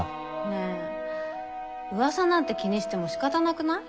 ねえ噂なんて気にしてもしかたなくない？